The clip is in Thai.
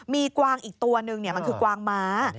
มีกวางอีกตัวหนึ่งมันคือกวางม้า